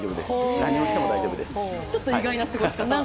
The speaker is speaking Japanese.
何をしても大丈夫です。